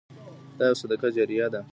دا يو صدقه جاريه ده.